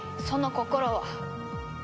その心は？